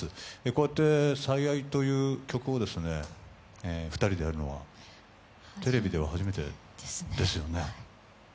こうやって「最愛」という曲を２人でやるのは、テレビでは初めてですよね。